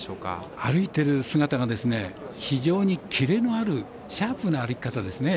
歩いている姿が非常にキレのあるシャープな歩き方ですね。